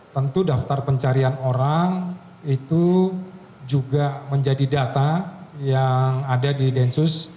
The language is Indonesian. tentu daftar pencarian orang itu juga menjadi data yang ada di densus